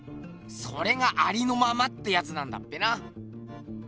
それが「ありのまま」ってやつなんだっぺな。